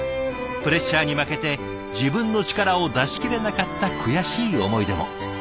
プレッシャーに負けて自分の力を出しきれなかった悔しい思い出も。